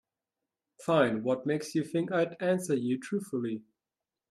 Fine, what makes you think I'd answer you truthfully?